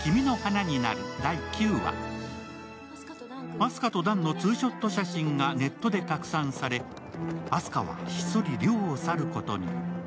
あす花と弾のツーショット写真がネットで拡散されあす花はひっそり寮を去ることに。